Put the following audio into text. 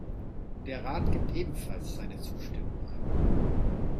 Der Rat gibt ebenfalls seine Zustimmung.